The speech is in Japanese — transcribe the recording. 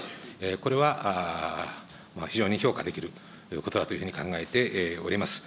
これは非常に評価できることだというふうに考えております。